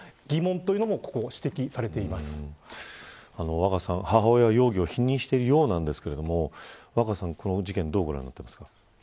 若狭さん、母親は容疑を否認しているようですがこの事件どうご覧になっていますか。